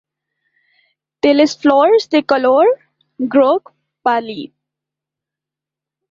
Té les flors de color groc pàl·lid.